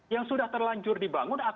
yang sudah terlanjur dibangun